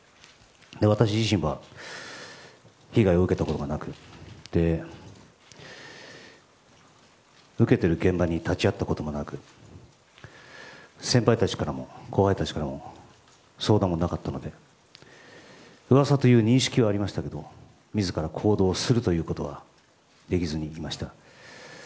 私自身は被害を受けたことはなく受けてる現場に立ち会ったこともなく先輩たちからも後輩たちからも相談もなかったので噂という認識はありましたけど自ら行動するということはできずにいました。